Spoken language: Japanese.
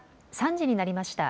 ３時になりました。